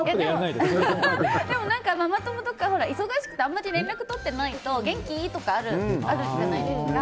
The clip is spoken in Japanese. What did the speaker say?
ママ友とか忙しくてあんまり連絡とっていないと元気？とかあるじゃないですか。